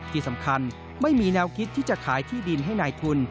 ที่สำคัญไม่มีแนวคิดที่จะขายที่ดินให้นายทุน